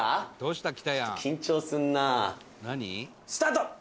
「スタート！」